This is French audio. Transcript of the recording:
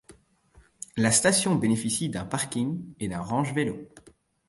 La station bénéficie d'un parking et d'un range-vélos.